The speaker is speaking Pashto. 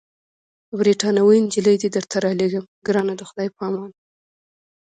بریتانوۍ نجلۍ دي درته رالېږم، ګرانه د خدای په امان.